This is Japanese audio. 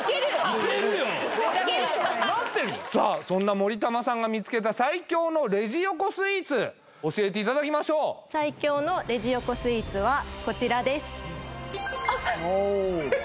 いけるなってるもんそんなもりたまさんが見つけた最強のレジ横スイーツ教えていただきましょう最強のレジ横スイーツはこちらですはっや！